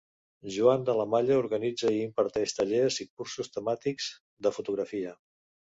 Joan de la Malla organitza i imparteix tallers i cursos temàtics de fotografia.